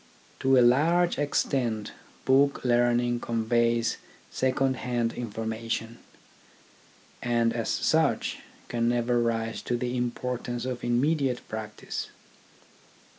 To a large extent book learning conveys second hand information, and as such can never rise to the importance of immediate practice.